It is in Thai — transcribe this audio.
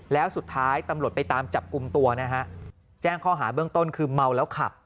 แล้วสุดท้ายตำรวจไปตามจับกลุ่มตัวนะฮะแจ้งข้อหาเบื้องต้นคือเมาแล้วขับ